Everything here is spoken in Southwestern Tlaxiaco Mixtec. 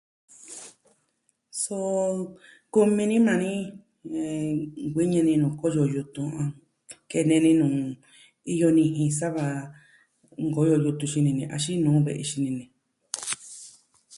Suu kumi ni maa ni. ɨɨ... Nkuiñɨ nu nuu koyo yutun. Kene ni nuu iyo nijin sava nkoyo yutun xini ni axin nuu ve'i xini ni.